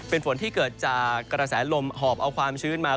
เป็นฝนที่เกิดจากกระแสลมหอบเอาความชื้นมา